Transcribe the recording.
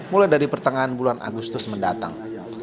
mulai dari pertengahan bulan agustus mendatang